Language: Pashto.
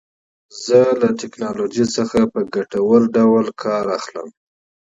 زه له ټکنالوژۍ څخه په مثبت ډول کار اخلم.